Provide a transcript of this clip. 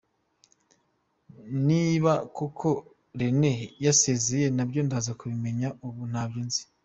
Niba koko Rene yasezeye nabyo ndaza kubimenya, ubu ntabyo nzi".